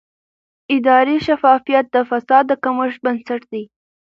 اداري شفافیت د فساد د کمښت بنسټ دی